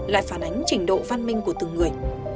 lại phản ánh trình độ văn minh của từng người